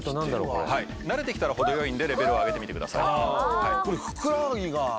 これはい慣れてきたら程よいんでレベルを上げてみてください